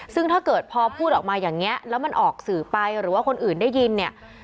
ซึ่งถ้าเกิดพอพูดออกมาอย่างนี้แล้วมันออกสื่อไปหรือว่าคนอื่นได้ยินเนี่ย